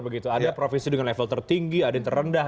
ada provinsi dengan level tertinggi ada yang terendah